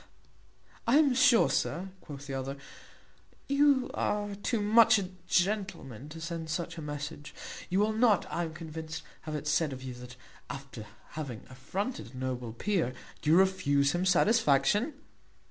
"I am sure, sir," quoth the other, "you are too much a gentleman to send such a message; you will not, I am convinced, have it said of you, that, after having affronted a noble peer, you refuse him satisfaction.